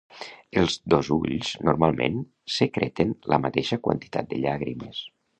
Els dos ulls normalment secreten la mateixa quantitat de llàgrimes.